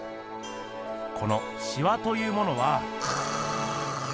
このしわというものは。